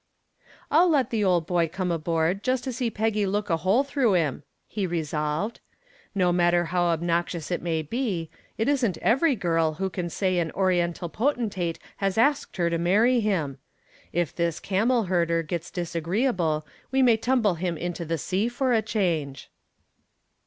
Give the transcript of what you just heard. "I'll let the old boy come aboard just to see Peggy look a hole through him," he resolved. "No matter how obnoxious it may be, it isn't every girl who can say an oriental potentate has asked her to marry him. If this camel herder gets disagreeable we may tumble him into the sea for a change."